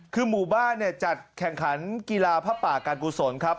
คือหมู่บ้านเนี่ยจัดแข่งขันกีฬาผ้าป่าการกุศลครับ